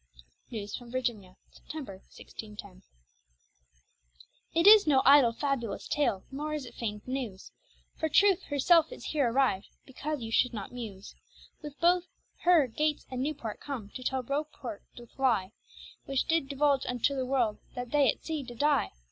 NEWES FROM VIRGINIA [September, 1610] It is no idle fabulous tale, nor is it fayned newes: For Truth herself is heere arriv'd, because you should not muse. With her both Gates and Newport come, to tell Report doth lye, Which did divulge unto the world, that they at sea did dye.